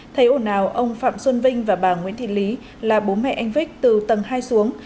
thấy ổn nào ông phạm xuân vinh và bà nguyễn thị lý là bố mẹ anh vích từ tầng hai xuống